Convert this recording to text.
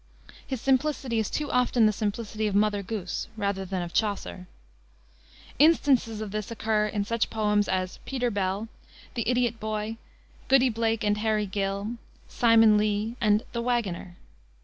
His simplicity is too often the simplicity of Mother Goose rather than of Chaucer. Instances of this occur in such poems as Peter Bell, the Idiot Boy, Goody Blake and Harry Gill, Simon Lee, and the Wagoner.